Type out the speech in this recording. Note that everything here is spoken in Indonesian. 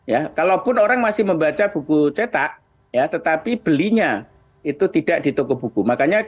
ya kalaupun orang masih membaca buku cetak ya tetapi belinya itu tidak di toko buku makanya